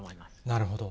なるほど。